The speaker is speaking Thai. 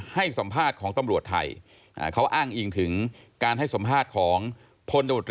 ให้สัมภาษณ์ของตำรวจไทย